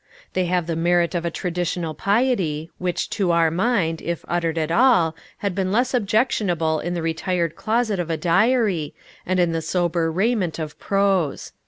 They have the merit of a traditional piety, which to our mind, if uttered at all, had been less objectionable in the retired closet of a diary, and in the sober raiment of prose.